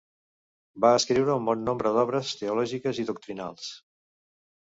Va escriure un bon nombre d'obres teològiques i doctrinals.